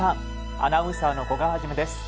アナウンサーの古賀一です。